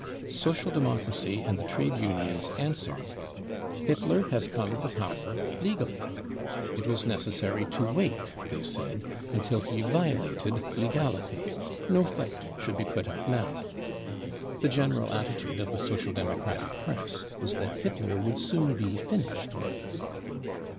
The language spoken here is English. Social Democracy and' the Trade Unions answered :" Hitler has come to power legally. 33 It was necessary to wait, they said, until he violated legality. No fight should be put up now. The general atti tude of the Social Democratic Press was that Hitler would soon be finished with.